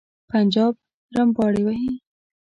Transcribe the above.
پنجاب رمباړې وهي.